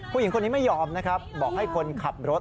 ผู้หญิงคนนี้ไม่ยอมนะครับบอกให้คนขับรถ